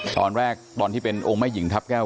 ตอนที่เป็นองค์แม่หญิงทัพแก้ว